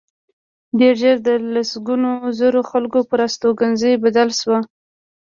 ډېر ژر د لسګونو زرو خلکو پر استوګنځي بدل شو